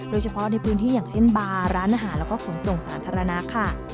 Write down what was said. โดยเฉพาะในพื้นที่อย่างเช่นบาร์ร้านอาหารแล้วก็ขนส่งสาธารณะค่ะ